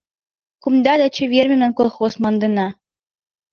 Кумда да чевер мемнан колхоз мландына.